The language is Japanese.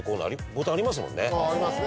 あぁありますね。